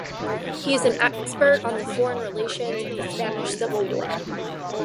He is an expert on the foreign relations of the Spanish Civil War.